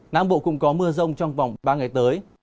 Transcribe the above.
nam bộ cũng có mưa rông trong vòng ba ngày tới